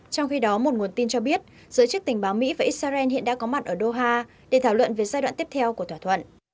trong khi đó một nguồn tin cho biết giới chức tình báo mỹ và israel hiện đã có mặt ở doha để thảo luận về giai đoạn tiếp theo của thỏa thuận